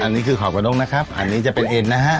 อันนี้คือขอบกระนกนะครับอันนี้จะเป็นเอ็นนะฮะ